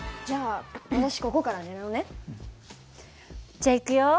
じゃあいくよ。